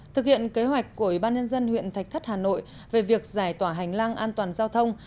thực hiện kế hoạch của ủy ban nhân dân huyện thạch thất hà nội về việc giải tỏa hành lang an toàn giao thông